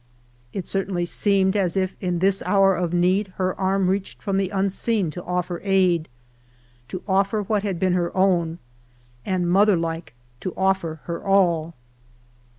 It certainly seemed as if in this hour of need her arm reached from die unseen to offer aid — to offer what had been her own, and, mother like, to offer her all.